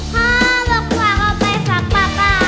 พอปกฬวะงสมายฝักปกครญ